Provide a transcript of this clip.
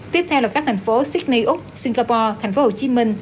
tiếp theo là các thành phố sydney úc singapore thành phố hồ chí minh